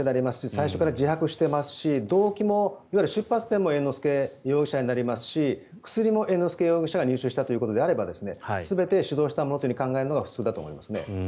最初から自白していますし動機も、出発点も猿之助容疑者になりますし薬も猿之助容疑者が入手したということであれば全て主導したものと考えるのが普通だと思いますね。